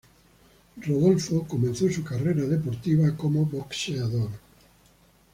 Rodolfo comenzó su carrera deportiva como boxeador.